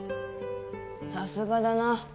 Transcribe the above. さすがだな